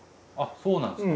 そうなんですか。